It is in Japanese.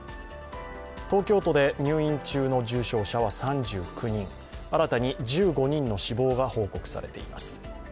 東京都で入院中の重症者は３９人新たに１５人の死亡が報告されています。